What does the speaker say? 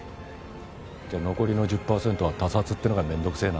じゃあ残りの１０パーセントは他殺ってのが面倒くせえな。